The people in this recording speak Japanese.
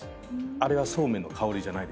あれはそうめんの香りじゃないですね。